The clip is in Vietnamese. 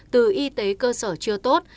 từ y tế cơ sở chưa tốt